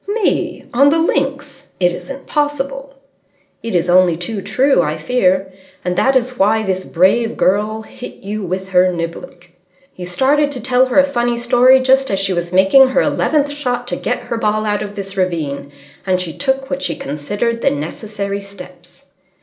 "Me! On the links! It isn't possible." "It is only too true, I fear. And that is why this brave girl hit you with her niblick. You started to tell her a funny story just as she was making her eleventh shot to get her ball out of this ravine, and she took what she considered the necessary steps."